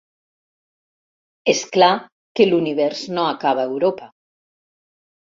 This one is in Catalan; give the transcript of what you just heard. És clar que l'univers no acaba a Europa.